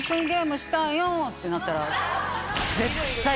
ってなったら？